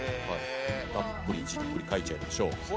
たっぷりじっくり書いちゃいましょう。